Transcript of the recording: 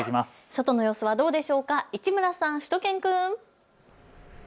外の様子はどうでしょうか市村さん、しゅと犬くん。